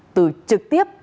từ trực tiếp